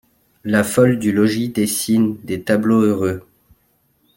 La folle du logis dessine des tableaux heureux.